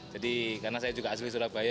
jadi karena saya juga asli surabaya